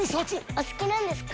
お好きなんですか？